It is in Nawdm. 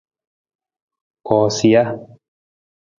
Koosija.